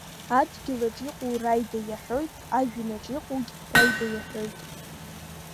Адгьылаҿ иҟоу Раида иаҳәоит, ажәҩанаҿ иҟоугь Раида иаҳәоит…